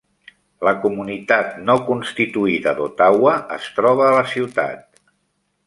La comunitat no constituïda d'Ottawa es troba a la ciutat.